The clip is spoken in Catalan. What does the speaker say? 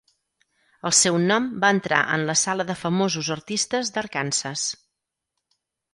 El seu nom va entrar en la Sala de Famosos Artistes d'Arkansas.